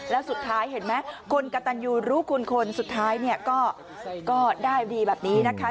แล้วสุดท้ายเห็นไหมคนกะตันอยู่ลูกคนสุดท้ายก็ได้ดีแบบนี้นะคะ